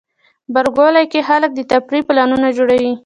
غبرګولی کې خلک د تفریح پلانونه جوړوي.